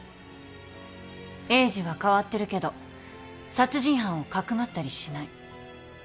栄治は変わってるけど殺人犯をかくまったりしない。